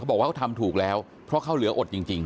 บอกว่าเขาทำถูกแล้วเพราะเขาเหลืออดจริง